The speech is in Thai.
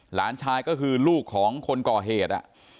หลานชายก็คือลูกของคนก่อเหตุ